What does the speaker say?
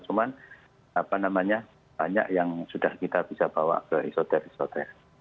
cuman apa namanya banyak yang sudah kita bisa bawa ke isoter isoter